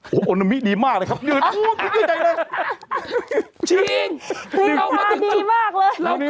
โอ้โหโอโนมิดีมากเลยครับพูดพูดพูดใจเลยจริงนี่เรามาดีมากเลย